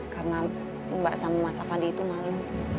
karena mbak sama mas avandi itu malu